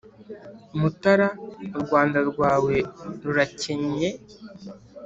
mutara, u rwanda rwawe rurakennye